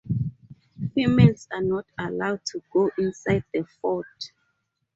Females are not allowed to go inside the fort.